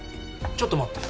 ちょっと待って。